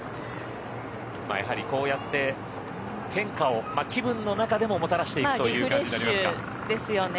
やはり、こうやって変化を気分の中でももたらしていくということになりますか。